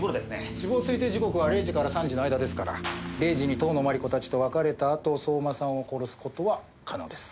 死亡推定時刻は０時から３時の間ですから０時に遠野麻理子たちと別れたあと相馬さんを殺す事は可能です。